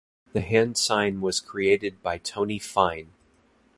The hand sign was created by Tony Fein.